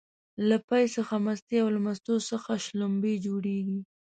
له پی څخه مستې او له مستو څخه شلومبې جوړيږي